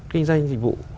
kinh doanh dịch vụ